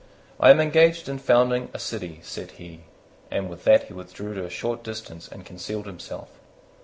"I am engaged in founding a city," said he, and with that he withdrew to a short distance and concealed himself.